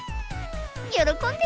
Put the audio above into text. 喜んで！